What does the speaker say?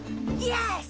よし！